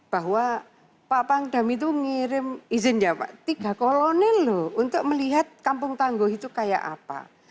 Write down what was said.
bahwa pak pangdam itu ngirim izinnya tiga kolonel loh untuk melihat kampung tanggo itu kayak apa